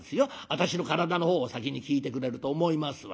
私の体の方を先に聞いてくれると思いますわよ」。